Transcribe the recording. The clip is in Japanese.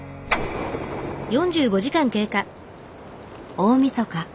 大みそか。